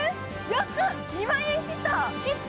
２万円切った！